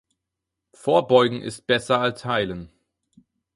Vorbeugen ist besser als heilen.